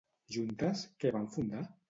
Juntes, què van fundar?